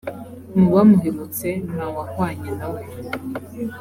mu bamuherutse nta wahwanye na we